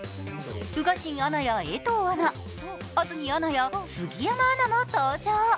宇賀神アナや江藤アナ、安住アナや杉山アナも登場。